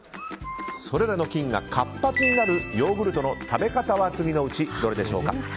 それらの菌が活発になるヨーグルトの食べ方は次のうちどれでしょうか。